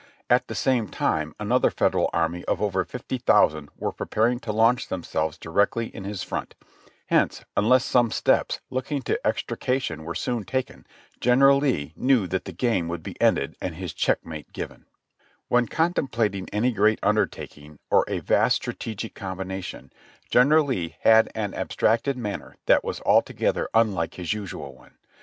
At the same time another Federal army of over fifty thousand were preparing to launch themselves directly in his front, hence unless some steps looking to extrication were soon taken. Gen eral Lee knew that the game would be ended and checkmate given. When contemplating any great undertaking or a vast strategic combination, General Lee had an abstracted manner that was al together unlike his usual one.